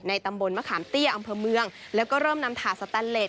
ตำบลมะขามเตี้ยอำเภอเมืองแล้วก็เริ่มนำถาดสแตนเลส